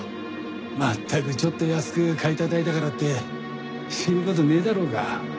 まったくちょっと安く買い叩いたからって死ぬ事ねえだろうが。